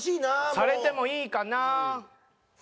されてもいいかなぁ。